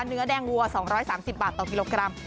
เนื้อแดงวัว๒๓๐บาทต่อกิโลกรัม